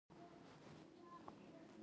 دوعا؛ تر سترګو دې وګرځم؛ نور ويده شه.